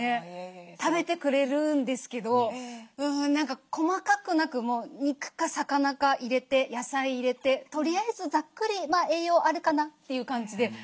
食べてくれるんですけど細かくなく肉か魚か入れて野菜入れてとりあえずざっくり栄養あるかなという感じで出してますね。